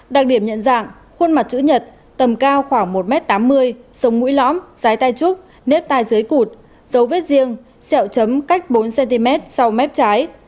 đặc điểm nhận dạng khuôn mặt chữ nhật tầm cao khoảng một m tám mươi sống mũi lõm dưới tay trúc nếp tai dưới cụt dấu vết riêng xẹo chấm cách bốn cm sau mép trái